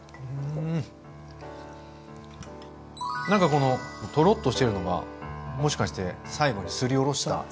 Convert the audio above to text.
何かこのとろっとしてるのがもしかして最後にすりおろした。